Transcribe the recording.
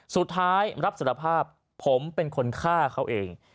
สุดท้ายรับสารภาพผมเป็นคนฆ่าเขาเอง